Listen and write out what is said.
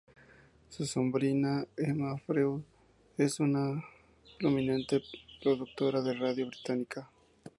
Su sobrina, Emma Freud, es una prominente productora de radio británica.